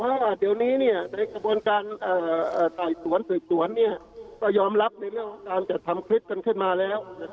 เพราะว่าเดี๋ยวนี้ในกระบวนการไต่สวนสืบสวนก็ยอมรับในเรื่องของการจัดทำคลิปกันขึ้นมาแล้ว